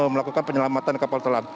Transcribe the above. melakukan penyelamatan kapal selam